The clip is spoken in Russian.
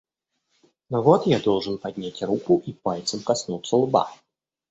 Но вот я должен поднять руку и пальцем коснуться лба.